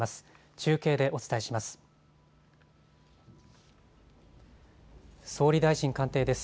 中継でお伝えします。